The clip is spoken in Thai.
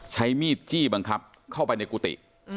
ใช้มีดจี้บังคับเข้าไปในกุฏิ